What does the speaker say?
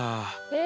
え！